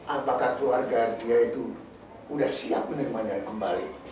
apakah keluarga dia itu sudah siap menerimanya kembali